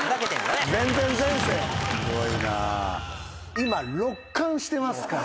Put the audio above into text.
今６冠してますから。